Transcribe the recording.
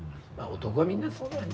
男はみんなそうだよね。